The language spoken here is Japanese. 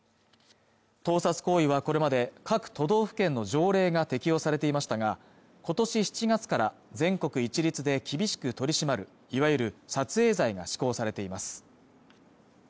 盗撮行為はこれまで各都道府県の条例が適用されていましたが今年７月から全国一律で厳しく取り締まるいわゆる撮影罪が施行されています